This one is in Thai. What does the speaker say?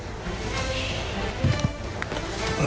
สวัสดีค่ะคุณผู้ชมต้อนรับเข้าสู่ชุวิตตีแสงหน้า